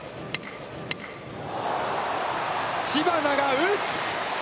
知花が打つ！